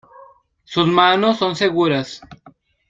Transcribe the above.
Sus manos son seguras.